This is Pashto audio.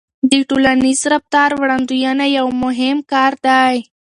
د ټولنیز رفتار وړاندوينه یو مهم کار دی.